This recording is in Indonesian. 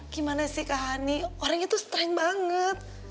gimana sih kak hani orangnya tuh strenk banget